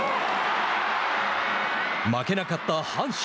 負けなかった阪神。